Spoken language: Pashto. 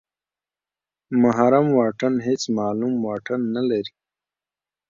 محرم واټن هېڅ معلوم واټن نلري.